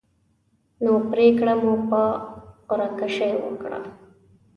نو پرېکړه مو په قره کشۍ وکړه.